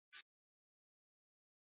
mwaka elfu mbili na kumi na mbili